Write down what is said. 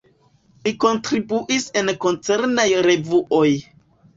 Li kontribuis en koncernaj revuoj.